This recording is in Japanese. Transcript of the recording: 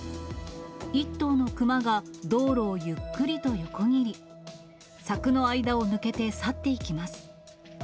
１頭のクマが道路をゆっくりと横切り、柵の間を抜けて去っていきます。